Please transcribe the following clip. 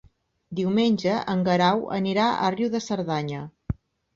Diumenge en Guerau anirà a Riu de Cerdanya.